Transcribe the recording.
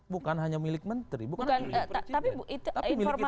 bukan hanya milik menteri bukan milik presiden